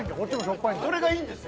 これがいいんです。